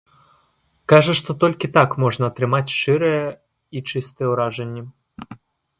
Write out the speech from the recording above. Кажа, што толькі так можна атрымаць шчырыя і чыстыя ўражанні.